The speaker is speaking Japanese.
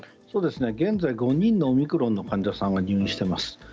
そうですね現在５人のオミクロンの患者さんが入院しています。